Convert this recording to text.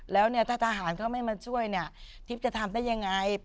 แล้วเนี่ยถ้าทหารเขาไม่มาช่วยเนี่ยทิพย์จะทำได้ยังไง